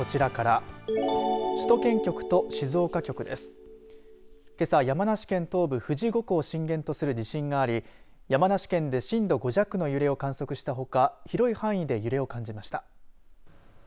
けさ、山梨県東部、富士五湖を震源とする地震があり山梨県で震度５弱の揺れを観測したほか広い範囲で揺れを感じました。